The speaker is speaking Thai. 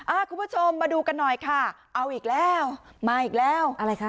คุณผู้ชมมาดูกันหน่อยค่ะเอาอีกแล้วมาอีกแล้วอะไรคะ